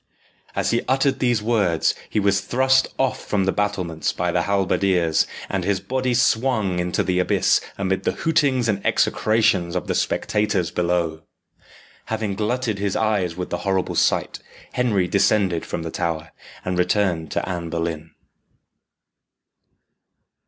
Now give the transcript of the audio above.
As he uttered these words, he was thrust off from the battlements by the halberdiers, and his body swung into the abyss amid the hootings and execrations of the spectators below. Having glutted his eyes with the horrible sight, Henry descended from the tower, and returned to Anne Boleyn.